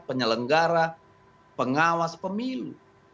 penyelenggara pengawas pemilu